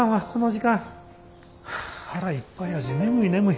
腹いっぱいやし眠い眠い。